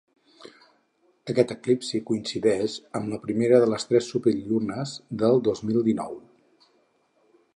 Aquest eclipsi coincideix amb la primera de les tres superllunes del dos mil dinou.